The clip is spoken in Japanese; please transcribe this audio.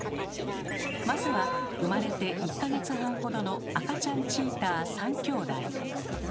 まずは生まれて１か月半ほどの赤ちゃんチーター３きょうだい。